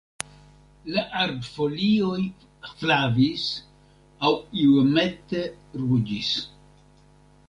La arbfolioj flavis aŭ iomete ruĝis.